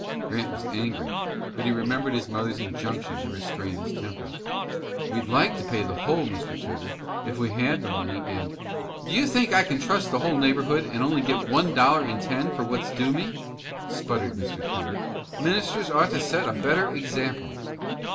Grant was angry, but he remembered his mother's injunction to restrain his temper. "We'd like to pay the whole, Mr. Tudor, if we had the money, and " "Do you think I can trust the whole neighborhood, and only get one dollar in ten of what's due me?" spluttered Mr. Tudor. "Ministers ought to set a better example."